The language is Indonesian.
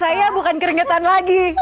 saya bukan keringetan lagi